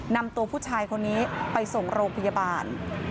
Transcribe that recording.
นำตัวผู้ชายคนนี้ไปส่งโรงพยาบาล